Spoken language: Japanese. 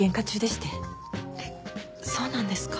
えっそうなんですか？